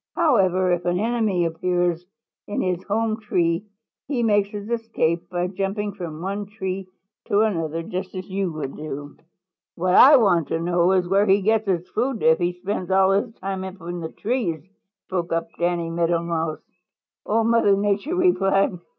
"However, if an enemy appears in his home tree, he makes his escape by jumping from one tree to another, just as you would do." "What I want to know is where he gets his food if he spends all his time up in the trees," spoke up Danny Meadow Mouse. Old Mother Nature smiled.